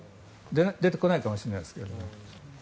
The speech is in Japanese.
出てこないかもしれないですけども。